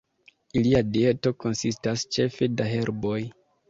Ilia dieto konsistas ĉefe da herboj.